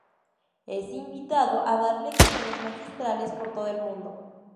Es invitado a dar lecciones magistrales por todo el mundo.